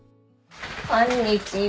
こんにちは。